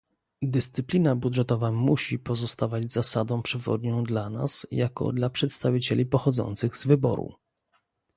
Dyscyplina budżetowa musi pozostawać zasadą przewodnią dla nas jako dla przedstawicieli pochodzących z wyboru